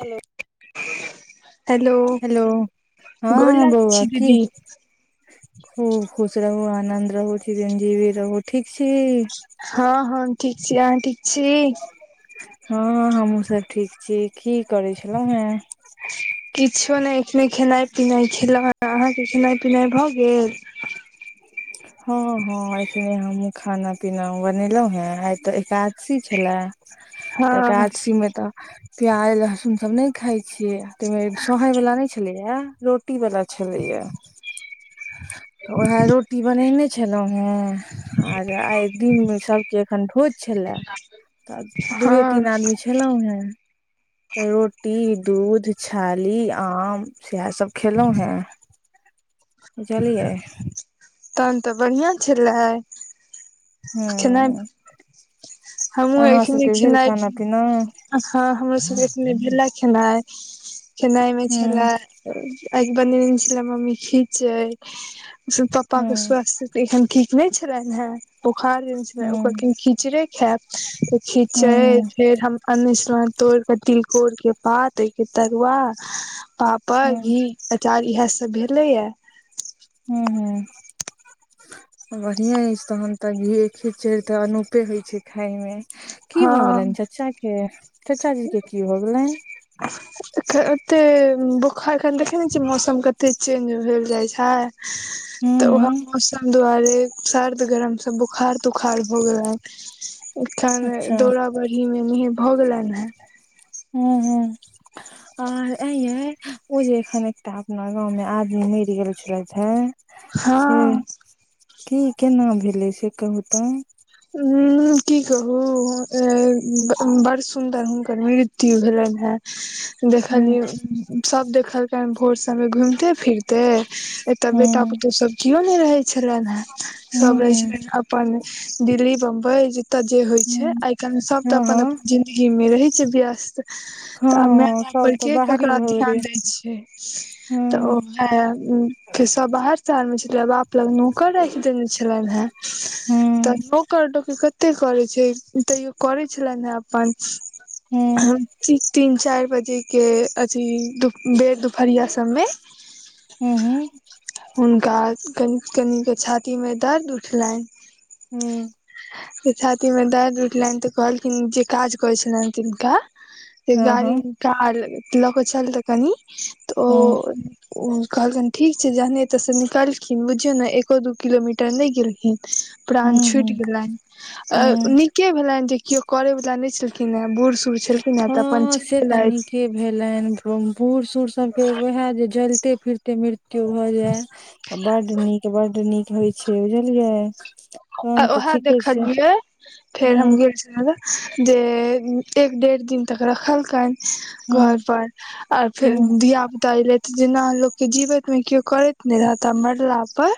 Hello hello hello गोर हँ लागै बौआ छी दीदी की खूबखुश रहू आनन्द रहू चिरंजी भी रहू ठीक छी हँ हँ ठीक छै आहा ठीक छी हँ हमहहुँ सब ठीक छी की करै छलहु हेँ किछो नहि एखने खेनाइ पिनाइ खेलक अहाँके खेनाइ पिनाइ भऽ गेल [inaudible] हँ हँ एखने हम खाना पीना बनेलहुं हें आइ तो एकादशी छले हँ एकादशी मे तऽ प्याज लहसुन सब नहि खााय छियै ते सोहे वाला नहि छले ये रोट रोटी वाला छलैया उएह रोटी बनेने छलहुं हें आर आइ दिन मे सबके एखन ढोज छले तऽ दूए तीन हँ आदमी छल खेलौं हें तऽ रोटी दूध छाली आम सएहसभ खेलहुँ हेँ बुझलियै तहन तऽ बढ़िियां छले खना हूं हमहूँ अहाँ एखने सबके भेल खेनाइ खाना पीना हूं हँ हमरो सबकेने भेला खेनाइ खेनाइ मे छले ऐज बनेने छलै मम्मी खींचेर पापा के हूं स्वास्थ एखन ठीक नहि छलनि हे बोखार जे छले हूं ओकर कीचड़े खायत त हूं खीचे फेर हम अन् तोड़ कऽ तिलकोर के पात ओहिके तरवा पापड़ हूं घी अचार इएह सब भेलेएा हू हू बढ़िया अछि तहन तऽ घी खेच चढ़ ते अनूपे होइ छै खाय मे की भाव गेलनि चा्चा के चाचाजी के की भऽ गेलनि त ब [inaudible] एखन देखे ने छियै मौसम कते चेंज भेल जाय छै तऽ ओह हूं मौसम दुआारे सर्द गरम से बुखार तुखार भ गेलनि एठन अच्छा दौड़ बी मेे भऽ गेलनि हेँत [unintelligible] हू हू आर ए ये ओ जे एखन एकटा अपना गांव मे आदमी मरि गेल छलथि हे से हँ की केना भेलै से कहू तऽ उ की कहू बड़ सुदर हुनकर मृत्यु भेलय हन [inaudible] देखलिय सब देखल भोर सब मे घूमते फिरते एता बेटा हूँ पुतहु सब केने रहे छै छलनि हेँ हूँ सब हूँ रहै हूँ छलनि अपन दिल्ली बम्बई तऽ जे होय छै आइ काल्हि सब तऽ हँ हँ अपन अपन जिंदगी मे रहे छै व्यस्त हँ तऽ आब मेय हँ बाप सब पर तऽ के बाहरी ककरा भऽ गेलै ध्यान दै छै तऽ हूँ ओ [unintelligible] की सब बाहर [unintelligible] छलै बाप लगमे नौकर राखि देने छलन हे तऽ हूँ नोकर लोककेँ कते करै छै तैयो करे छलै हन अपन हूँ तीन चारि बजेके अथी बेर दुपहरिया सबमे हूँ हूँ हुनका कनि कनिकेँ छाती मे दर्द उठलैन हूँ से छाती मे दर्द उठलैन तऽ कहलखिन जे काज करै छलैन तिनका की हँ गाड़ी हँ निकाल लऽ कऽ चल तऽ कनि हूँ [unintelligible] ओ कहलखिन ठीक छै जहने एतऽसँ निकालखिन बुझियौ नऽ एको दू किलोमीटर नहि गेलखिन प्राण हूँ छुटि हूँ गेलैन हूँ अ नीके भेलैन जे कियो करे वला नहि छलखिन हे बूढ़ सुुर छलखिन हे तऽ अपन चैल गेलैथ भेलैन बूढ़ सूढ़ सब के वएह जे जलते फिरते मृत्यु भऽ जाय त बड्ड नीक बड्ड नीक होइ छै बुझलियै आ तहन तऽ उएह ठीके छै देखलियै फेर हम हूँ गेल छलिये तब जे एक डेढ़ दिन तक रखलकैन घर हूँ पर आओर फेर हूँ धिय पुता एलै जेना लोककेँ जीवैतमे केओ करैत नहि रहत आ मरला पर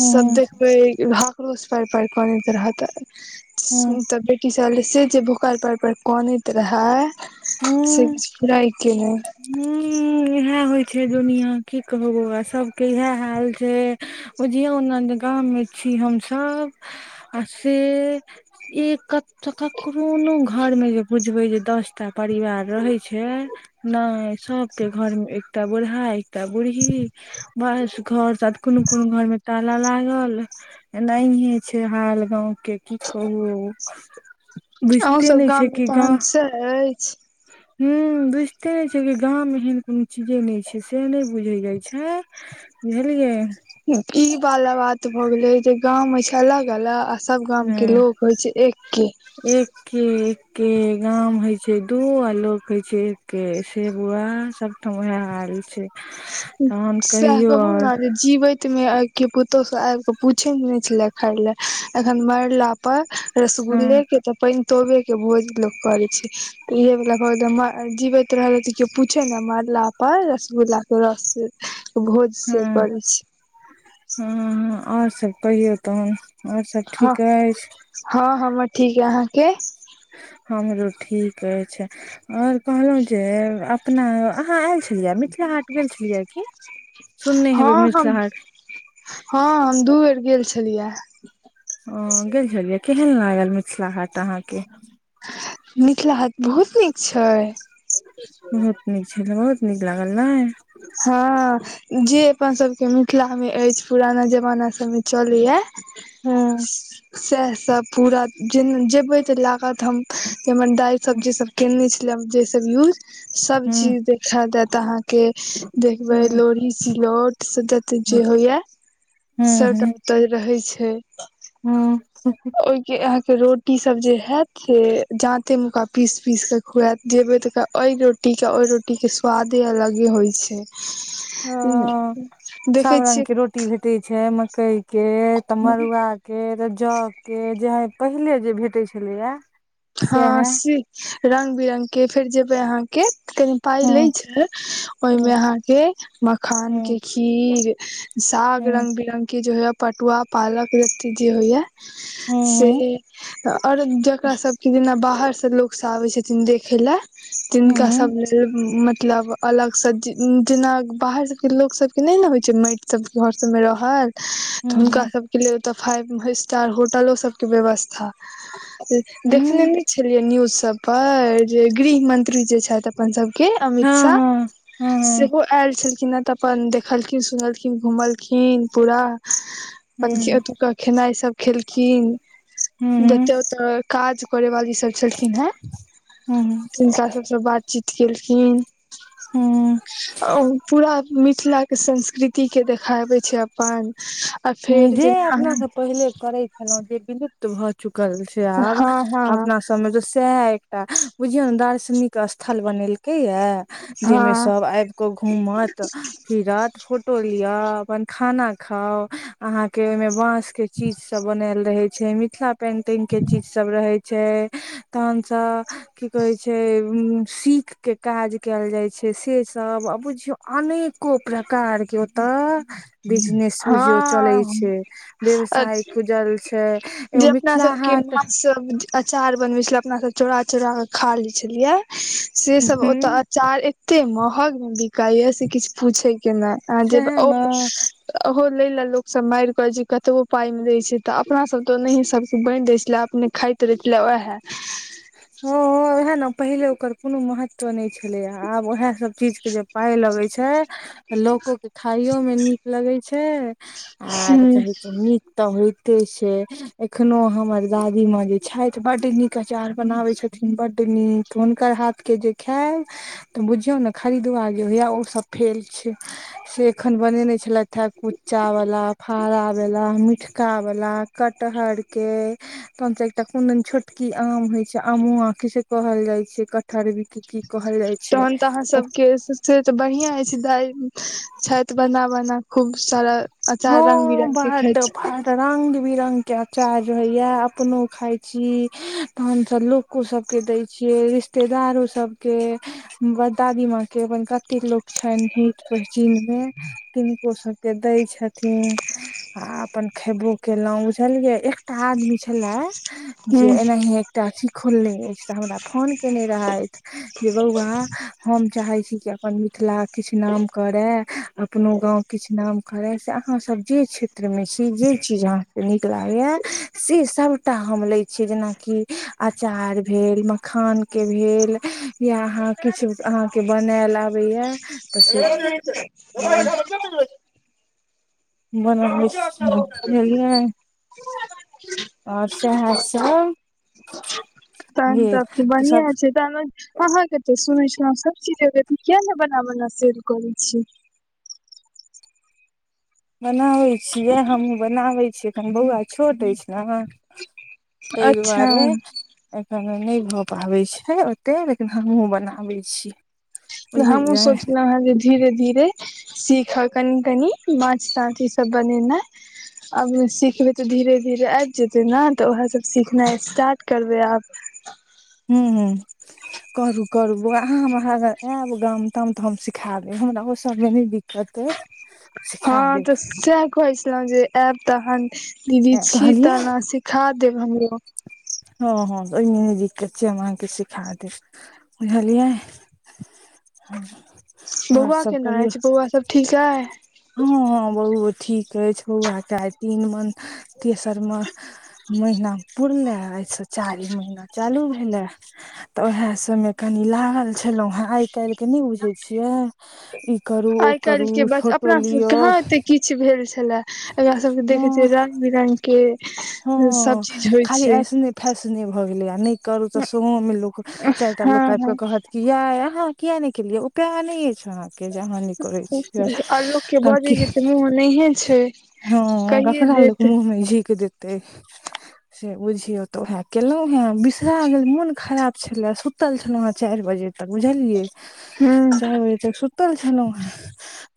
हूँ सबे कोई हाकरोस पाइर पाइर कनैत रहत हूँ तऽ बेटी [unintelligible] से जे बोखार पैर पैर कनैत रहै से किछ फुराय के नहि हुँ इहै होइ छै दुनिया की कहबो बौआ सबके इहै हाल छै बुझीयो ना गाम मे छी हमस आ से एक ककरो कोनो घरमे जे बुझबे जे दस टा परिवार रहे छै नहि सबके घरमे एकटा बूढ़ा एकटा बूढ़ढ़ी बस घर साथ कोनो कोनो घर मे ताला लागल एनाये छै हाल गाँवकेँ की कहु बुझते अहूँसभ नई छै गाममे की गाँव तहन अछि हू बुझिते नै छै गाँव मे एहन कोनो चीजे नहि छै से नहि बुझे जाय छै बुझलियै ई वाला बात भऽ गेले जे गाँंव मे छै अलग अलग सब गामके लोक होइ छै एके एक के एके गाँव होय छै दू आ लोक होय छै एके से व बोआ सब ठम ओहै हाल छै तहन कहियौ आओर जीबैतमे आ की पुतहु सब आबि कऽ पूछय नहि छलै खाय लए एखन मरला पर हँ रसगुलेकेँ तऽ पैन तोबे के भोज लोक करे छै इहे वला भ भेलै म जीवैत रहलै तऽ केओ पूछे नइ आ मारला पर रसगुल्ला के रस भोज से करै छै हूँ हूँ आओर सभ कहियौ तखन आओर सभ हँ ठीक अछि हँ हमर ठीक य अहाँकेँ हमरो ठीक अछि आओर कहलहुँ जे अपना अहाँ आयल छलियै मिथिला हाट गेल छलियै की सुनने हेबै हँ हम मिथिला हाट हँ हम दू बेर गेल छलि ये ओ गेल छलिये केहन लागल मिथिला हाट अहाँके मिथिला हाट बहुत नीक छै बहुत नीक छै तऽ बहुत नीक लागल नै हँ जे अपन सभके मिथिलामे अछि पुराना जमाना सभमे चलैये हूँ सैह सब पूरा जेना जेबै तऽ लागत हम जे हमर दाय सब हूँ जेसब केने छलै जे सब यूज सब चीज देखे देत अहाँके देखबै हूँ लोढ़ी सिलौट सदत जे होइये सबटा तऽ रहै छै हूंम्म ओहि के अहाँ के रोटी सब जे हैत से जांते मुका पीस पीस क खुएत जेबे तेका ओइ रोटी रोटीके ओइ रोटीके स्वादे अलगे होइ छै [unintelligible] देखै छियै टी भेटै छै मकई के तऽ मड़ुआ के तऽ जौ के जे हइ पहिले जे भेटै छलैये। हँ सी रंग बिरंग के फेर जेबै अहाँके कहीं पाइ हूँ लै छै ओहिमे हूँ अहाँके हूँ मखानके खीर साग हूँ रंग बिरंग के जे होइये पटुआ पालक रत्ती जे होइये से हूँ आओर जकरा सब के जेना बाहरसँ लोक सब आबै छथिन देखै लऽ हूँ तिनका सभ हूँ लेल मतलब अलग से जेना बाहर सब के लोग सब के नहि ने होइ छै माटि सबके घर सब मे रहल तऽ हुनका हूँ सबके लेल ओतऽ फाइव स्टार होटलो सभके व्यवस्था देखने हूँ नै छेलियै न्यूज सब पर जे गृहमंत्री जे छथि अपन सब के अमित हँ शाह हँ हँ सेहो आयल छलखिन हँ तऽ अपन देखलखिन सुनलखिन घुमलखिन पूरा हूँ ओतुका खेनाइ सब खेलखिन हूँ जते ओतऽ काज करै वाली सब सब छेलखिन हे हूँ हूँ तिनका सबसँ बातचीत केलखिन हूँ आ ओ पूरा मिथिलाके संस्कृतिके देखाबै छै अपन आ हूंम्म फेर जे जेना अपना सब पहिले करैत छलौं जे विलुप्त भऽ चुकल छै आब अहाँ हँ अपना सबमे तऽ सएह अइ टा बुझियौ ने दार्शनिक स्थल बनेलकै ये जैमे हँ सब आबि कऽ घूमत फिरत फोटो लिय अपन खाना खाउ आहाँ के ओइमे बाँस के चीज सब बनेल रहै छै मिथिला पेंटिंग के चीज सब रहै छै तहन सँ की कहै छै उंम्म सीखके काज कैल जाइ छै से सब आ बुझियौ अनेक अनेको प्रकार के ओतऽ बिजनेस बुझियौ चलै हँ छै हँ व्यवसाय खुजल छै एगो मिथिला हाट सब्जी अँचार बनबै छेलियै अपना सब चोरा चोरा क खा लै छेलियै से सब ओतऽ अँचार ए एत्ते महग मे बिकाइ य से किछु पूछै के नहि अहाँ जेब सएह औ ने ओहो लय लै लोकसभ मारि करत जे कतबो पाइ मे दै छै तऽ अपनासभ तऽ ओनाहीए सभ चीज बाँटि दै छेलियै ये अपने खाएत रहैओएहै हँ हँ ओएह न पहिले ओकर कोनो महत्व नहि छलैए आब उएह सभ चीज के जे पाय लगे छै त लोकों के खाइयो मे नीक लगै छै आर कहै छै निक तऽ होइते छै एखनो हमर दादी माँ जे छैथ बड नीक अचार बनाबै छथिन बड्ड नीक हुनकर हाथ के जे खायब तऽ बुझियौ न खरीदुआ जे होइयए ओसभ फेल छै से एखन बनेने छलैथ हेँ कुच्चावला फड़ावला मिटकावला कटहर के तहन से एकटा कुनदैन छोटकी आम होइ छै आमो वा आँखि से कहल जाइ छै कटहर भी की कहल जाइ छै तहन तऽ अहाँ ओ सबके से तऽ बढ़िआँ अईछ दै छैथ बना बना खूब सारा ह अचार रंग बिरंग के बात खाय द छी ब [inaudible] [unintelligible] तऽ रंग बिरंगके अचार रहइया अपनो खाइ छी तहनसँ लोक ओ सभके दै छियै रिश्तेदारो सभके व दादी माँ के अपन कते लोक छैन हीत पहचीन मे किनको सभके दै छथिन आ अपन खयबो केलहुँ बुझलियै एक एकटा आदमी छलए हूँ जे एनाहे एकटा अथी खोलने अछि तऽ हमरा फोन केने रहैथ [inaudible] [inaudible] हम चाहै छी कि अपन मिथिला किछु नाम करय अपनो गाँव किछु नाम कराए आहाँ सब जे क्षेत्रमे छी जे चीज अहाँके नीक लागैए से सब टा हम लै छियै जेनाकि अचार भेल मखान के भेल या अहाँ किछु अहाँके बनायल आबैया तऽ बन बझलिय [unintelligible] आओर सह सब भेल त सब अहाँके त सुनै सब चीज किया नै बना बना शेब करै छी बनाबै छियै हमहुँ बनाबै छियै एखन बौआ छोट अछि ने तेय अच्छा द्वारे एखन नहि भऽ पाबै छै ओते लेकिन हमहूँ बनाबै छी हमु सोचलो हं जे धीरे धीरे सीखऽ कनि कनि माछ ताछ ई सब बनेनाइ आब सिखबै तऽ धीरे धीरे आबि जेतै ने तऽ उएहसभ सिखनाइ स्टार्ट करबै आब हू हू करू करू बौआ अहाँ हमरागर आएब गाम ताम तऽ हम सिखा देब हमरा ओ सब मे नहि दि कत ते हँ सीखा तऽ देब सएह कहै छलहु जे आयब तहन दीदी आयब। छी कहलियै तहन सिखा देब हमरो हँ हँ ओहिमे नै दिक्कत छै हम आहां के सीखा देब बुझलियएै हँ [unintelligible] [unintelligible] बौआ केना अईछ बौआ सब ठीक आई हँ हँ बौओ ठीक अछि बौआके आइ तीन मन तेसर म महिना पुरला एहिसँ चारिम महीना चालू भेलए तऽ ओएहे सबमे कनी लागल छलहुं हेँ आइ काल्हि के नहि बुझै छियै ई करू ओ आइ काल्हि करू के बच्चा फोटो अपना सब लिअ कहाँ एते किछु भेल छलाए एकरा सबके देखै छियै हँ रंग बिरंग के सब हँ चीज होइ खाली छै ऐसने फैशने भऽ गेलै आ नहि करू तऽ सहो मे लोक चायटा हँ लोक आएब हँ कऽ कहत कि याई यहाँ किया नहि केलियै उ प्या नहि अछ के जही करै आ लोक के बजै छी के तऽ मुँह नहिये छै हँख कहिये [unintelligible] देत मुहमे झीक देते से बुझियौ तऽ उएह केलहुं हे बिसरा गेल मोन खराब छले सुतल छलहुँ हें चारि बजे तक बुझलियै हूँ चारि बजे तक सुतल छलहुँ हेँ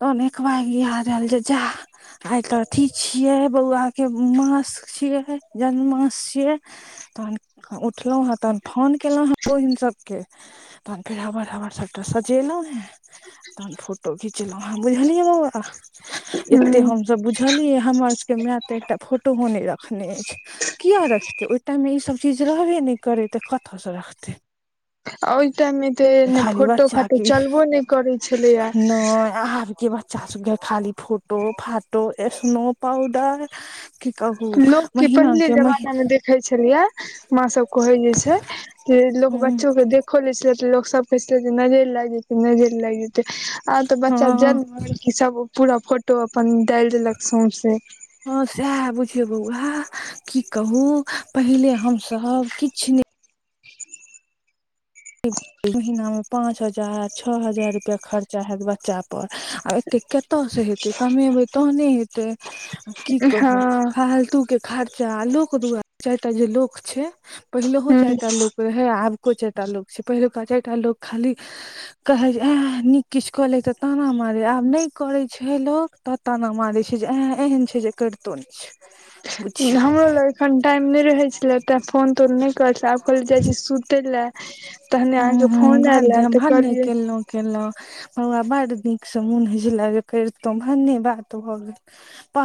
[unintelligible] तनेक बार इह रहलल जे जा आ तऽ अथि छिये बौआ के मास छिये जन्म मास छिये तहन उठलहुँ हेँ तहन फोन केलहुँ हँ बहिन सभके तहन फेर हबर हबर सबटा सजेलो हे तहन फोटो खिचलहुँ हँ बुझलिये एते हूँ हमसब बुझलिय हमर सबके मायं तऽ एकटा फोटो नहि रखने अछि किया रखतै ओहि टाइममे ई सब चीज रहबे नहि करै तऽ कते सँ रखतै ओहि टाइम मे तऽने खाली फोटो बच्चा फाटो के चलबो नहि करै छलैए आबके ब बच्चा सब के खाली फोटो फाटो एस्नो पाउडार लोकके पहिले जमाना मे देखैत छलियै माँ सब कहे जे छै जे लोक बच्चो देखे [unintelligible] खोले छले त लोक सब कहे छले नजरि लागि जेते नजरि लागि जेते आब ते बच्चा हँ जन्म सब पूरा फोटो अपन डालि देलक सौंसे ह सएह बुझियौ बौआ की कहु पहिले हमसब किछु ने महिना मे पाच हजार छओ हजार रुपया खर्चा हत बच्चा पर आ कतय से हेतै कमेबै तहने हेतै आ की हँ कहू फालतू के खर्चा लोक दुआार चारटा जे लोक छै पहिलहो हूँ चारि टा लोक के आबको चारि टा लोक छै पहिलुका चारि टा लोक खाली कहै छै आह नीक किछु कऽ लै तऽ ताना मारे आब नहि करै छै तो ताना मार छै जे एन छै जे करत न हमरो लग एखन टाइम नहि रहै छले फोन तोन नहि कहल आब कहल जाइ छी सुतय लए तहने हूं अहाँके हूं फोन आयलए भाग्य तऽ भने कहलियै केलहुँ केलहुँ हमरा बड़ नीकसँ मोन ह करितो धन्य बात भऽ गेल